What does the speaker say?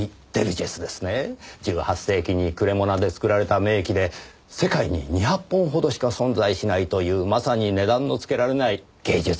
１８世紀にクレモナで作られた名器で世界に２００本ほどしか存在しないというまさに値段のつけられない芸術品ですねぇ。